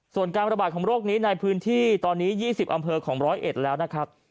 ส่วนการระบาดของโรคนี้ในพื้นที่ตอนนี้๒๐อำเภอของ๑๐๑แล้วนะครับ